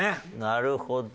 なるほど。